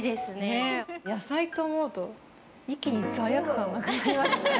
野菜と思うと一気に罪悪感がなくなりますね。